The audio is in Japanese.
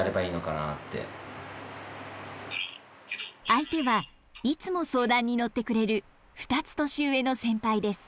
相手はいつも相談に乗ってくれる２つ年上の先輩です。